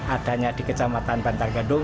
adanya di kecamatan bantar gendung